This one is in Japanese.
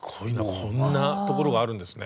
こんなところがあるんですね。